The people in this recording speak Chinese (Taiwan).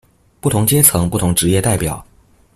不同階層、不同職業代表